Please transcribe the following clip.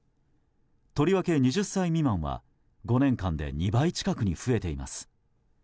とりわけ２０歳未満は５年間で２倍近くに増えています。